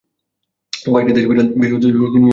কয়েকটি দেশে বিড়াল দিবস উদযাপনের জন্য নিজস্ব দিন রয়েছে।